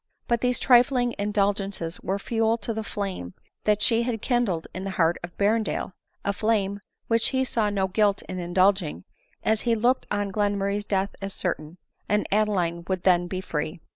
But these trifling indulgences were fuel to the flame that she had kindled in the heart of Berrendale ; a flame which he saw no guilt in indulging, as he looked on Glenmurray's death as certain, and Adeline would then be free.